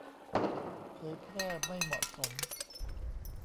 เผยแพร่ไม่เหมาะสม